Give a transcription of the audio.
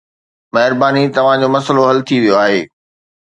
مهرباني، توهان جو مسئلو حل ٿي ويو آهي.